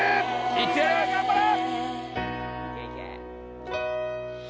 ・いけるっ頑張れ！